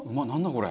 これ。